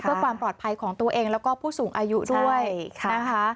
เพื่อความปลอดภัยของตัวเองแล้วก็ผู้สูงอายุด้วยนะคะ